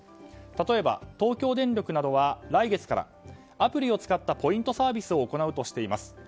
例えば、東京電力などは来月からアプリを使ったポイントサービスを行うとしています。